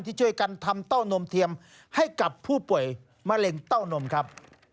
ที่ช่วยกันทำเต้านมเทียมให้กับผู้ป่วยมะเร็งเต้านมครับ